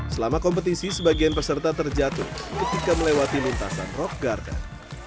selama kompetisi sebagian peserta terjatuh ketika melewati lintasan rock garden